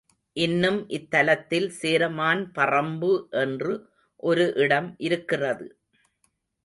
இன்னும் இத்தலத்தில் சேரமான் பறம்பு என்று ஒரு இடம் இருக்கிறது.